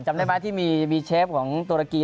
จำได้ไหมที่มีเชฟของตุรกี